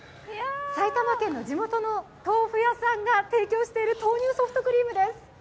埼玉県の地元の豆腐屋さんが提供している豆乳ソフトクリームです。